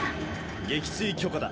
撃墜許可だ。